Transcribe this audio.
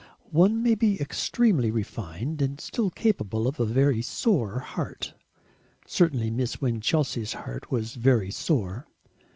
One may be extremely refined and still capable of a very sore heart. Certainly Miss Winchelsea's heart was very sore.